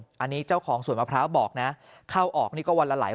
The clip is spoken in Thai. หลายคนอันนี้เจ้าของส่วนพระพระบอกนะเข้าออกนี่ก็วันละหลาย